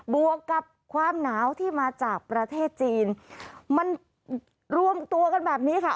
วกกับความหนาวที่มาจากประเทศจีนมันรวมตัวกันแบบนี้ค่ะ